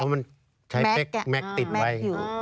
เพราะมันใช้เฟ็กแม็กต์ติดไว้